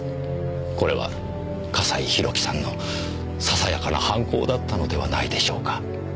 これは笠井宏樹さんのささやかな反抗だったのではないでしょうか。